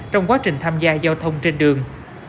trong quá trình tham gia giao thông trên đường